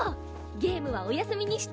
ゲームはお休みにして。